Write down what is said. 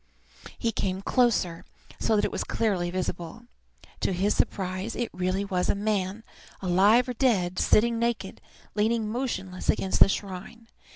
He came closer, so that it was clearly visible. To his surprise it really was a man, alive or dead, sitting naked, leaning motionless against the shrine.